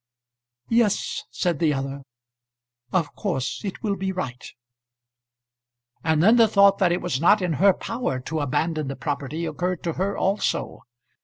"Yes," said the other, "of course it will be right." And then the thought that it was not in her power to abandon the property occurred to her also.